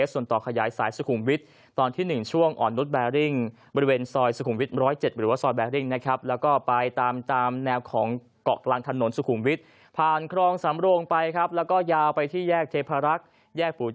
ส่งโครงการให้กับกฎธมในบริเวณการต่อไปนะครับ